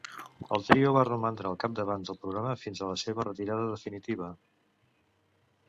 El trio va romandre al capdavant del programa fins a la seva retirada definitiva.